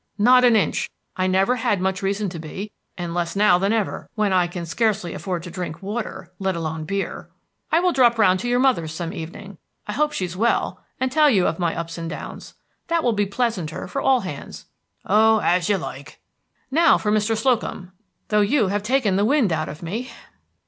"Not an inch. I never had much reason to be; and less now than ever, when I can scarcely afford to drink water, let alone beer. I will drop round to your mother's some evening I hope she's well, and tell you of my ups and downs. That will be pleasanter for all hands." "Oh, as you like." "Now for Mr. Slocum, though you have taken the wind out of me."